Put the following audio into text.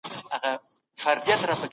آیا سیاست یوازي د درواغو نوم دی؟